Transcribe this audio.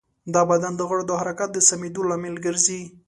دا د بدن د غړو د حرکت د سمېدو لامل ګرځي.